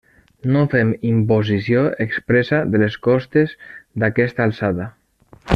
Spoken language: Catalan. No fem imposició expressa de les costes d'aquesta alçada.